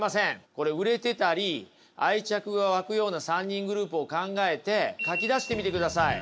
これ売れてたり愛着が湧くような３人グループを考えて書き出してみてください。